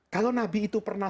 kalau nabi itu pernah